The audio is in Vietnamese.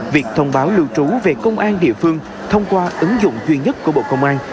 việc thông báo lưu trú về công an địa phương thông qua ứng dụng duy nhất của bộ công an